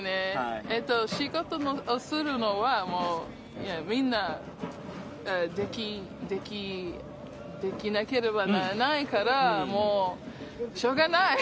仕事をするのはみんなできなければならないからしょうがない！